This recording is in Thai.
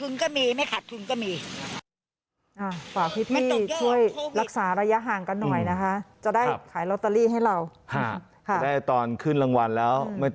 แล้วมันจะขาดทุนให้เราเอาไปหรือเปล่า